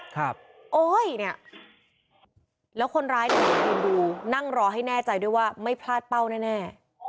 โอ๊ยเนี่ยแล้วคนร้ายเนี่ยยืนดูนั่งรอให้แน่ใจด้วยว่าไม่พลาดเป้าแน่